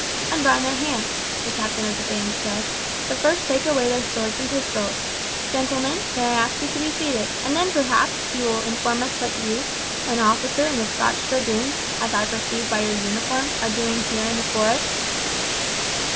"Unbind their hands," the captain of the band said, "but first take away their swords and pistols. Gentlemen, may I ask you to be seated; and then, perhaps, you will inform us what you, an officer in the Scotch dragoons, as I perceive by your uniform, are doing here in the forest?"